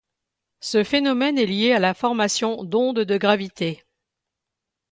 Ce phénomène est lié à la formation d'ondes de gravité.